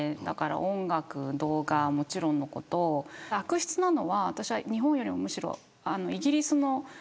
音楽、動画はもちろんのこと悪質なのは、日本よりもむしろイギリスの。